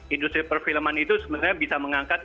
industri perfilman itu sebenarnya bisa mengangkat